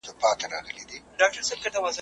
غوټۍ مي وسپړلې ,